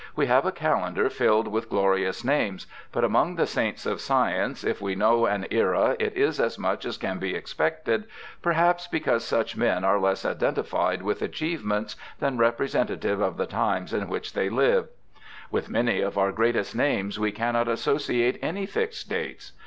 We have a calendar filled with glorious names, but among the saints of science, if we know an era it is as much as can be expected — perhaps because such men are less identified with achievements than representative of the times in which they lived. With many of our greatest names we cannot associate any fixed dates.